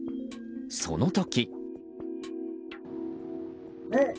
その時。